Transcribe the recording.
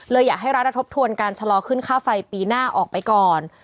อยากให้รัฐทบทวนการชะลอขึ้นค่าไฟปีหน้าออกไปก่อน